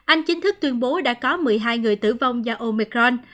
anh chính thức tuyên bố đã có một mươi hai người tử vong do omicron